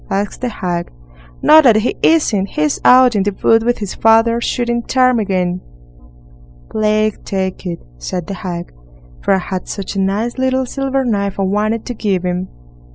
asked the hag. "No, that he isn't. He's out in the wood with his father, shooting ptarmigan." "Plague take it", said the hag, "for I had such a nice little silver knife I wanted to give him."